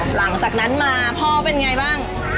หลังจากนั้นมาพ่อเป็นไงบ้าง